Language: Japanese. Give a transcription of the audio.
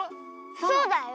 そうだよ。